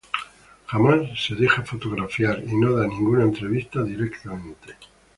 Jamás se deja fotografiar y no da ninguna entrevista directamente.